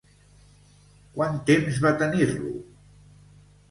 Quant temps va tenir-lo?